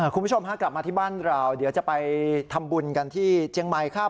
คุณผู้ชมฮะกลับมาที่บ้านเราเดี๋ยวจะไปทำบุญกันที่เจียงใหม่ครับ